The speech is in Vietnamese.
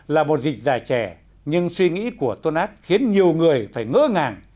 là một dịch dài trẻ nhưng suy nghĩ của tôn át khiến nhiều người phải ngỡ ngàng